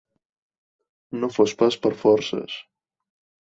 No fos pas per forces.